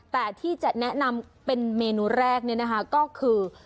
แต่ที่จะแนะนำเป็นเมนูแรกเนี่ยนะคะก็คือ